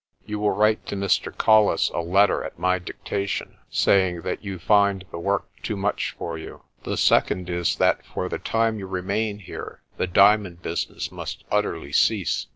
You will write to Mr. Colles a letter at my dictation, saying that you find the work too much for you. The sec ond is that for the time you remain here the diamond business must utterly cease.